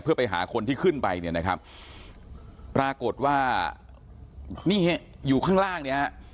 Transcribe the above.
เพื่อไปหาคนที่ขึ้นไปเนี่ยนะครับปรากฏว่านี่ฮะอยู่ข้างล่างเนี่ยฮะ